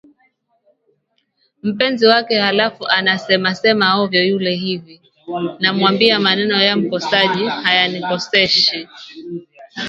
mpenzi wake halafu anasema sema ovyo yule hivi Namwambia maneno ya mkosaji hayanikoseshi